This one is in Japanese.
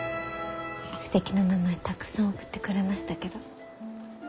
すてきな名前たくさん送ってくれましたけど。